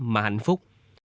mà hạnh phúc